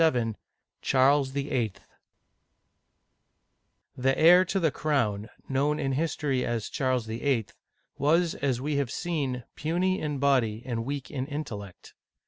LVIL CHARLES VIIL THE heir to the crown, known in history as Charles VHL, was, as we have seen, puny in body and weak in intellect.